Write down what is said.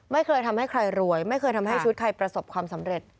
ไม่เคยทำให้ใครรวยไม่เคยทำให้ชุดใครประสบความสำเร็จ